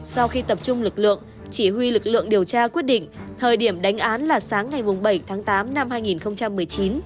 sau khi tập trung lực lượng chỉ huy lực lượng điều tra quyết định thời điểm đánh án là sáng ngày bảy tháng tám năm hai nghìn một mươi chín